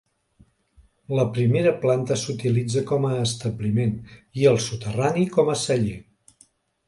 La primera planta s'utilitza com a establiment i el soterrani com a celler.